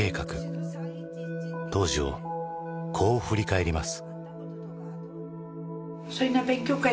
当時をこう振り返ります。